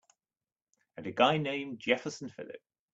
And a guy named Jefferson Phillip.